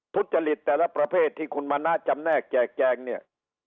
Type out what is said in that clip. ทุจริตแต่ละประเภทที่คุณมณะจำแนกแจกแจงเนี่ย